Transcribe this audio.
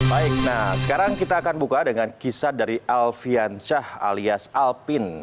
baik nah sekarang kita akan buka dengan kisah dari alfian syah alias alpin